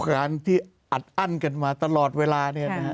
การที่อัดอั้นกันมาตลอดเวลาเนี่ยนะครับ